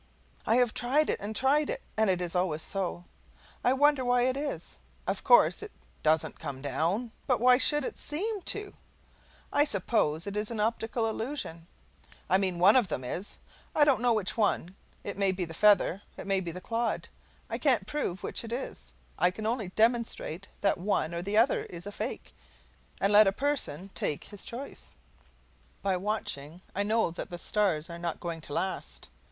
I have tried it and tried it, and it is always so. I wonder why it is? Of course it DOESN'T come down, but why should it SEEM to? I suppose it is an optical illusion. I mean, one of them is. I don't know which one. It may be the feather, it may be the clod; I can't prove which it is, I can only demonstrate that one or the other is a fake, and let a person take his choice. By watching, I know that the stars are not going to last.